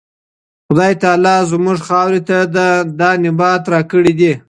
خدای تعالی زموږ خاورې ته دا نبات راکړی.